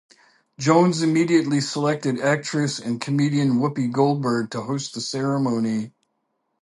Jones immediately selected actress and comedian Whoopi Goldberg to host the ceremony.